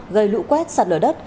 gây lũ quét sạt lở đất